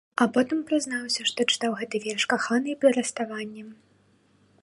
А потым прызнаўся, што чытаў гэты верш каханай пры расставанні.